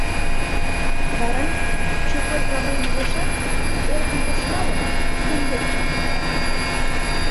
Вара Чопой Каврим ужешат, эркын тошкалын, тудын дек чак мия.